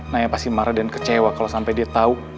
naya pasti marah dan kecewa kalau sampai dia tahu